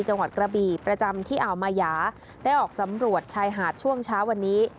จังหวัดกระบี่ประจำที่อ่าวมายาได้ออกสำรวจชายหาดช่วงเช้าวันนี้